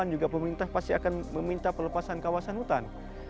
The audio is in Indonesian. juga pemerintah pasti akan meminta pelepasan kawasan hutan